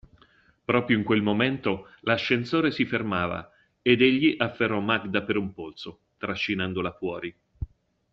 Proprio in quel momento l'ascensore si fermava ed egli afferrò Magda per un polso, trascinandola fuori.